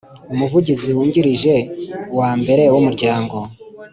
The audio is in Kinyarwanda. Umuvugizi wungirije wa mbere w Umuryango